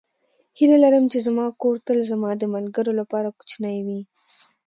هیله لرم چې زما کور تل زما د ملګرو لپاره کوچنی وي.